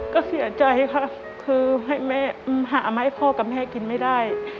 ก็เสียใจค่ะคือให้แม่หามาให้พ่อกับแม่กินไม่ได้